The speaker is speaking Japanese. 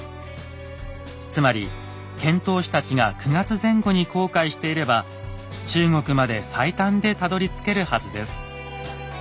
つまり遣唐使たちが９月前後に航海していれば中国まで最短でたどりつけるはずです。